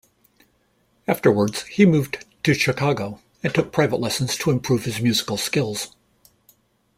Afterwards he moved to Chicago and took private lessons to improve his musical skills.